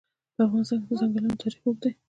په افغانستان کې د ځنګلونه تاریخ اوږد دی.